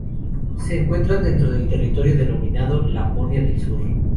Se encuentra dentro del territorio denominado Laponia del Sur.